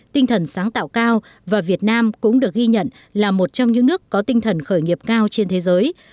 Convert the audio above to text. tinh thần sáng tạo cao và việt nam cũng được ghi nhận là một trong những nước có tinh thần khởi nghiệp cao trên thế giới